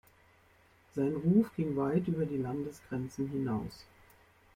Sein Ruf ging weit über die Landesgrenzen hinaus.